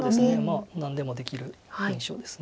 何でもできる印象です。